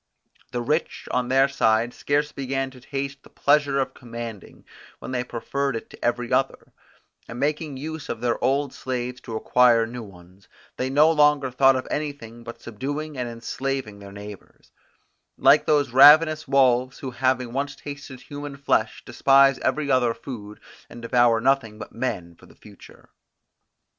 The rich on their side scarce began to taste the pleasure of commanding, when they preferred it to every other; and making use of their old slaves to acquire new ones, they no longer thought of anything but subduing and enslaving their neighbours; like those ravenous wolves, who having once tasted human flesh, despise every other food, and devour nothing but men for the future.